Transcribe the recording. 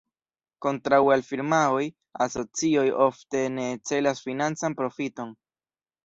Kontraŭe al firmaoj, asocioj ofte ne celas financan profiton.